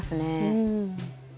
うん。